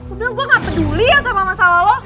udah gue gak peduli ya sama masalah lo